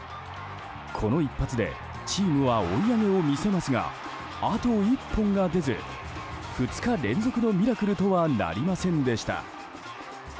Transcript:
この一発でチームは追い上げを見せますがあと１本が出ず、２日連続のミラクルとはなりませんでした。